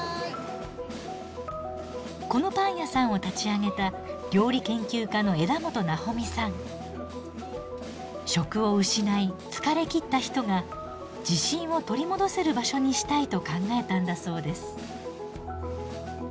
このパン屋さんを立ち上げた職を失い疲れきった人が自信を取り戻せる場所にしたいと考えたんだそうです。